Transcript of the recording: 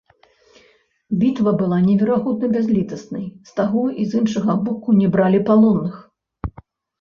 Бітва была неверагодна бязлітаснай, з таго і з іншага боку не бралі палонных.